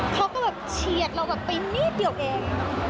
เขาก็แบบเฉียดเราแบบไปนิดเดียวเอง